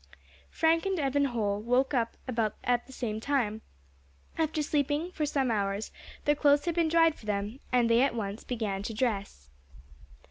Frank and Evan Holl woke at about the same time, after sleeping for some hours; their clothes had been dried for them, and they at once began to dress.